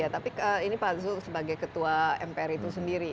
tapi ini pak zul sebagai ketua mpr itu sendiri